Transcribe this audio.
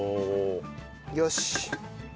よし！